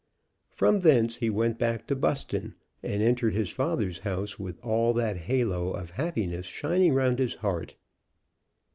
From thence he went back to Buston, and entered his father's house with all that halo of happiness shining round his heart.